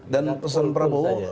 dan pesan pak prabowo